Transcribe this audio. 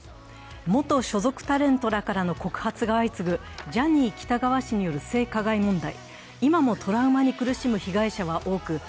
元所属タレントらからの告発が相次ぐジャニー喜多川氏による性加害問題。